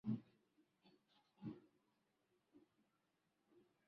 Mambo ya Yesu wa Nazareti aliyekuwa mtu nabii